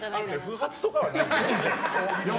不発とかはないのよ。